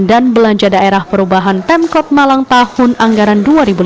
dan belanja daerah perubahan pemkot malang tahun anggaran dua ribu lima belas